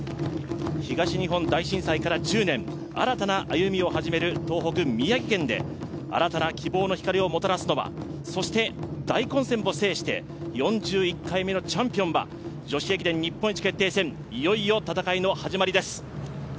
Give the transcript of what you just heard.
東日本大震災から１０年、新たな歩みを始める東北・宮城県で新たな希望の光をもたらすのは、そして大混戦を制して４１回目のチャンピオンは、女子駅伝日本一決定戦、いよいよ戦いの始まりです。